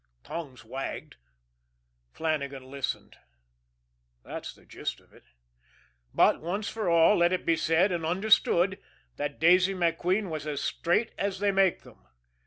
Tongues wagged; Flannagan listened that's the gist of it. But, once for all, let it be said and understood that Daisy MacQueen was as straight as they make them.